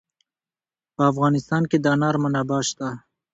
په افغانستان کې د انار منابع شته.